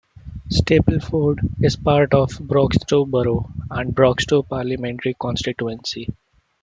Stapleford is part of Broxtowe Borough and the Broxtowe Parliamentary Constituency.